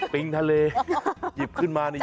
ปิงทะเลหยิบขึ้นมานี่